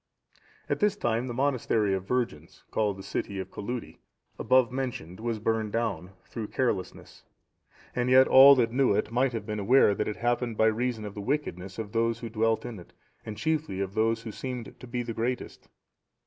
At this time, the monastery of virgins, called the city of Coludi,(714) above mentioned, was burned down, through carelessness; and yet all that knew it might have been aware that it happened by reason of the wickedness of those who dwelt in it, and chiefly of those who seemed to be the greatest.